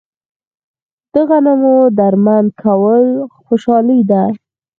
د غنمو درمند کول خوشحالي ده.